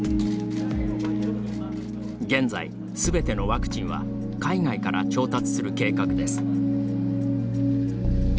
現在、すべてのワクチンは海外から調達する計画です。